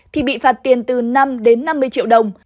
thì bị phạt tiền từ năm đến năm mươi triệu đồng